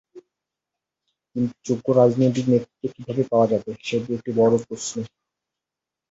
কিন্তু যোগ্য রাজনৈতিক নেতৃত্ব কীভাবে পাওয়া যাবে, সেটি একটি বড় প্রশ্ন।